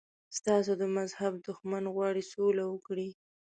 ستاسو د مذهب دښمن غواړي سوله وکړي.